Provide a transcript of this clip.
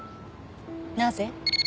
なぜ？